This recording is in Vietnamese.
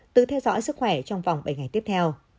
tự theo dõi sức khỏe trong vòng bảy ngày tiếp theo